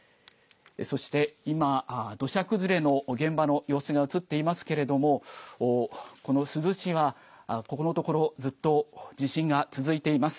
そして今、土砂崩れの現場の様子が映っていますけれどもこの珠洲市はこのところずっと地震が続いています。